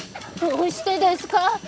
どうしてですか？